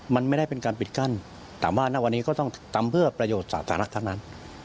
มันไม่ได้เป็นการปิดกั้นแต่ว่าณวันนี้ก็ต้องทำเพื่อประโยชน์สาธารณะเท่านั้น